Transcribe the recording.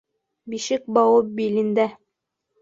Бишек бауы билендә